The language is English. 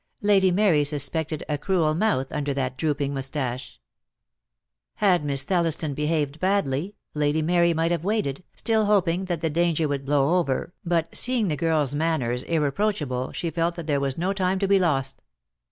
Lady Mary suspected a cruel mouth under that drooping moustache. Had Miss Thelliston behaved badly. Lady Mary might have waited, still hoping that the danger would blow over, but seeing the girl's manners irreproach able she felt there was no time to be lost.